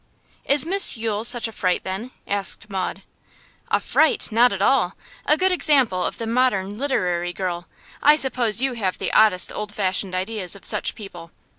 'Is Miss Yule such a fright then?' asked Maud. 'A fright! Not at all. A good example of the modern literary girl. I suppose you have the oddest old fashioned ideas of such people.